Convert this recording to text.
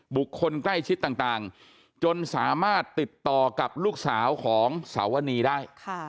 บุคคลใกล้ชิดต่างจนสามารถติดต่อกับลูกสาวของสวนีได้